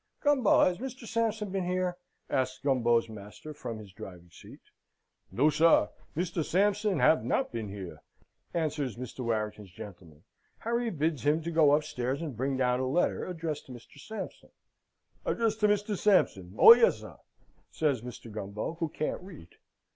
"Gumbo, has Mr. Sampson been here?" asks Gumbo's master from his driving seat. "No, sar. Mr. Sampson have not been here!" answers Mr. Warrington's gentleman. Harry bids him to go upstairs and bring down a letter addressed to Mr. Sampson. "Addressed to Mr. Sampson? Oh yes, sir," says Mr. Gumbo, who can't read.